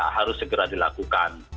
harus segera dilakukan